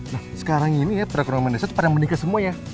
nah sekarang ini ya perekonomian desa itu pada mendekat semuanya